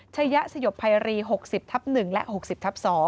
ยะสยบภัยรี๖๐ทับ๑และ๖๐ทับ๒